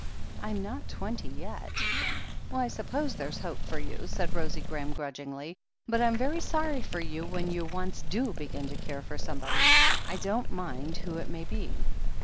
I'm not twenty yet." "I suppose there's hope for you," said Rosie Graham grudgingly. "But I'm very sorry for you when you once do begin to care for somebody — I don't mind who it may be."